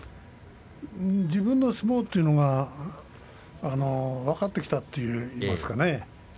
自分の相撲というのが分かってきたといいますかね。